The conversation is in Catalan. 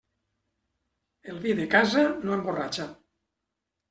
El vi de casa no emborratxa.